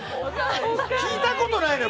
聞いたことないねん